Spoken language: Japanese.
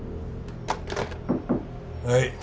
はい。